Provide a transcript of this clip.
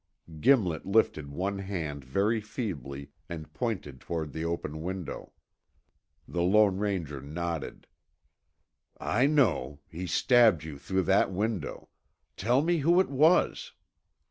Gimlet lifted one hand very feebly, and pointed toward the open window. The Lone Ranger nodded. "I know, he stabbed you through that window. Tell me who it was."